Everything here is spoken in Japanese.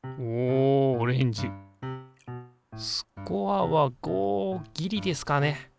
スコアは５ギリですかね？